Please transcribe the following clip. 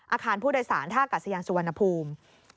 อาคารผู้โดยสารท่ากัศยานสุวรรณภูมิ